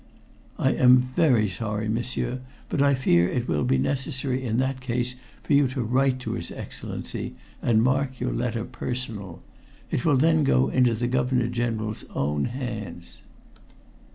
"I am very sorry, m'sieur, but I fear it will be necessary in that case for you to write to his Excellency, and mark your letter 'personal.' It will then go into the Governor General's own hands."